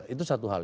itu satu hal